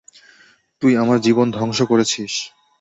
তুই আমার জীবন ধ্বংস করেছিস।